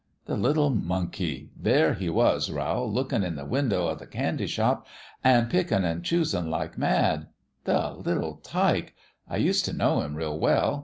The little monkey ! There he was, Rowl, lookin' in the window o' the candy shop, an' pickin' an' choos in' like mad. The little tyke ! I used t' know him real well.